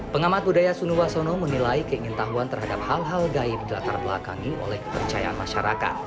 pengamat budaya sunuwasono menilai keingin tahuan terhadap hal hal gaib di latar belakangi oleh kepercayaan masyarakat